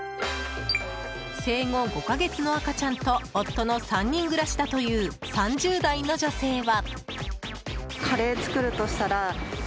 生後５か月の赤ちゃんと夫の３人暮らしだという３０代の女性は。